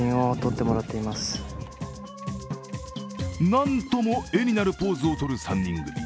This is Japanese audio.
何とも絵になるポーズをとる３人組。